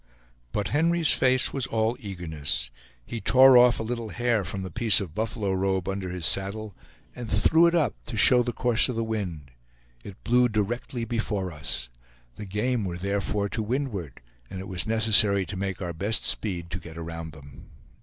But Henry's face was all eagerness. He tore off a little hair from the piece of buffalo robe under his saddle, and threw it up, to show the course of the wind. It blew directly before us. The game were therefore to windward, and it was necessary to make our best speed to get around them.